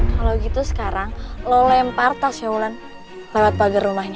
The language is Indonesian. kalo gitu sekarang lo lempar tasnya ulan lewat pagar rumahnya